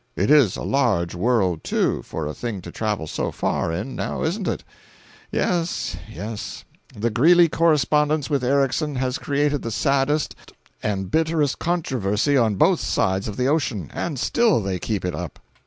It is a large world, too, for a thing to travel so far in—now isn't it? Yes, yes—the Greeley correspondence with Erickson has created the saddest and bitterest controversy on both sides of the ocean—and still they keep it up!